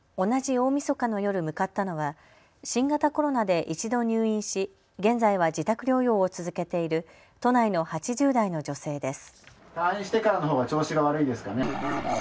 同じ大みそかの夜、向かったのは新型コロナで一度入院し現在は自宅療養を続けている都内の８０代の女性です。